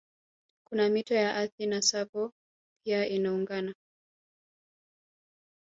Kuna mito ya Athi na Tsavo pia inaungana